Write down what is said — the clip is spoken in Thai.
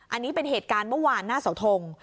อันนี้เป็นเหตุการณ์เมื่อวานหน้าเสาทง